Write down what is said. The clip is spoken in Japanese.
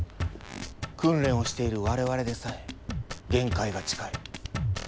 訓練をしている我々でさえ限界が近い。